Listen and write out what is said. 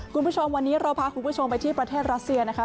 คุณผู้ชมวันนี้เราพาคุณผู้ชมไปที่ประเทศรัสเซียนะคะ